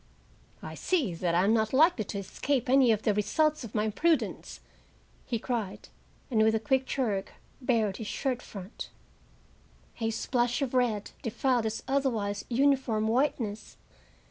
"I see that I am not likely to escape any of the results of my imprudence," he cried, and with a quick jerk bared his shirt front. A splash of red defiled its otherwise uniform whiteness!